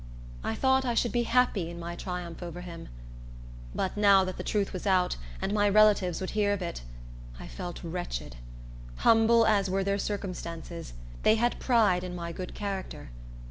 I thought I should be happy in my triumph over him. But now that the truth was out, and my relatives would hear of it, I felt wretched. Humble as were their circumstances, they had pride in my good character.